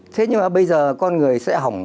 thế nhưng mà bây giờ con người sẽ hỏng